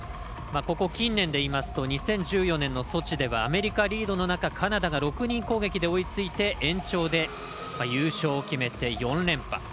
ここ近年でいいますと２０１４年のソチではアメリカリードの中カナダが６人攻撃で追いついて延長で優勝を決めて４連覇。